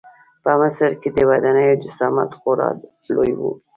په مصر کې د ودانیو جسامت خورا لوی و.